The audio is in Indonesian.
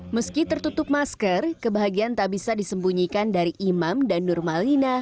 meski tertutup masker kebahagiaan tak bisa disembunyikan dari imam dan nurmalina